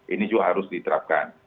ini juga harus diterapkan